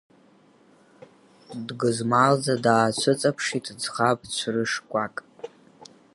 Дгызмалӡа даацәыҵаԥшит ӡӷаб ҵәрышкәак.